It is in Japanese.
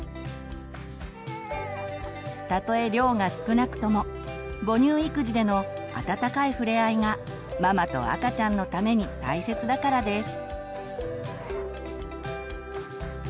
たとえ量が少なくとも母乳育児でのあたたかいふれあいがママと赤ちゃんのために大切だからです。